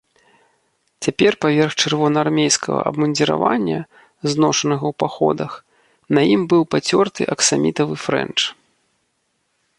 Цяпер паверх чырвонаармейскага абмундзіравання, зношанага ў паходах, на ім быў пацёрты аксамітавы фрэнч.